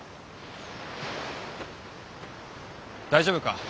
大丈夫か？